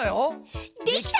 できた！？